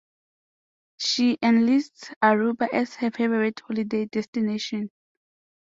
She enlists Aruba as her favorite holiday destination.